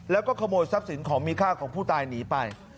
แล้วก็ขโมยทรัพย์สินของมีค่าของผู้ตายหนีไป